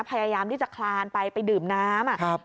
พยายามที่จะคลานไปไปดื่มน้ำ